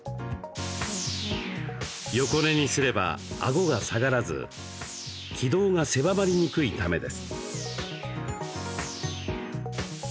横寝にすれば、あごが下がらず気道が狭まりにくいためです。